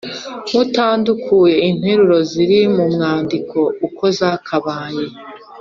mutandukuye interuro ziri mu mwandiko uko zakabaye.